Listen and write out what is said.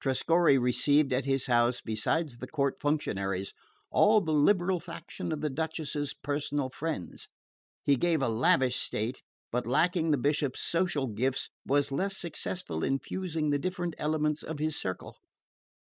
Trescorre received at his house, besides the court functionaries, all the liberal faction and the Duchess's personal friends. He kept a lavish state, but lacking the Bishop's social gifts, was less successful in fusing the different elements of his circle.